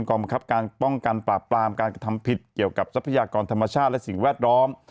กรรมคับการป้องกันปราบปรามการกระทำผิดเกี่ยวกับทรัพยากรธรรมชาติและสิ่งแวดล้อม